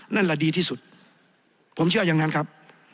นั่นแหละดีที่สุดผมเชื่ออย่างนั้นครับ